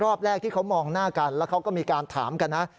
รอบแรกที่เขามองหน้ากันแล้วเขาก็มีการถามกันนะ